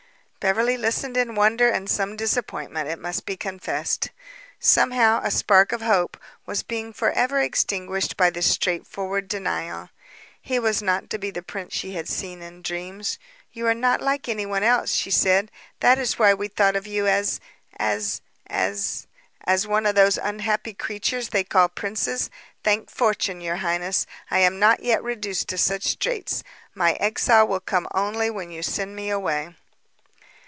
Beverly listened in wonder and some disappointment, it must be confessed. Somehow a spark of hope was being forever extinguished by this straightforward denial. He was not to be the prince she had seen in dreams. "You are not like anyone else," she said. "That is why we thought of you as as as " "As one of those unhappy creatures they call princes? Thank fortune, your highness, I am not yet reduced to such straits. My exile will come only when you send me away."